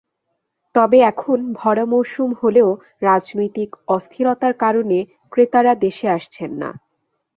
তবে এখন ভরা মৌসুম হলেও রাজনৈতিক অস্থিরতার কারণে ক্রেতারা দেশে আসছেন না।